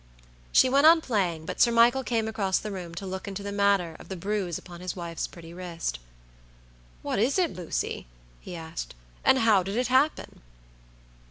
She went on playing, but Sir Michael came across the room to look into the matter of the bruise upon his wife's pretty wrist. "What is it, Lucy?" he asked; "and how did it happen?"